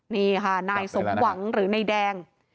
นี่ค่ะนายสมหวังหรือนายแดง